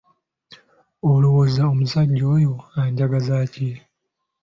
Olowooza omusajja oyo anjagaza ki?